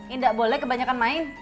ini gak boleh kebanyakan main